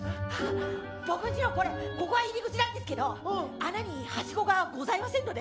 僕んちのこれここが入り口なんですけど穴にはしごがございませんので。